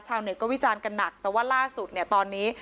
เน็ตก็วิจารณ์กันหนักแต่ว่าล่าสุดเนี่ยตอนนี้